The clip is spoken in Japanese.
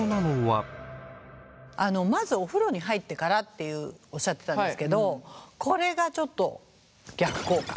まずお風呂に入ってからっていうおっしゃってたんですけどこれがちょっと逆効果。